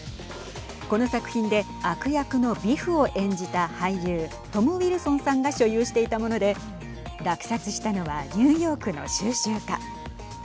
この作品で悪役のビフを演じた俳優トム・ウィルソンさんが所有していたもので落札したのはニューヨークの収集家。